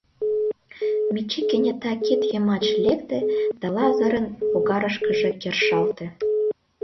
Мичи кенета кид йымачше лекте да Лазырын логарышкыже кержалте.